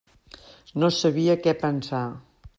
No sabia què pensar.